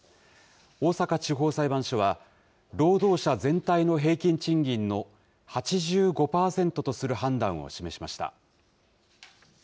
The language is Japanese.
大阪地方裁判所は、労働者全体の平均賃金の８５％とする判断を示しました。